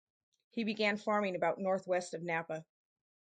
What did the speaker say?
He began farming about northwest of Napa.